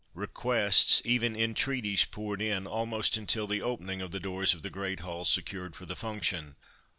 Requests, even entreaties poured in, almost until the opening of the doors of the great hall secured for the function.